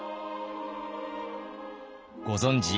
ご存じ